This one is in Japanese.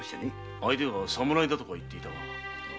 相手は侍だとか言っていたが。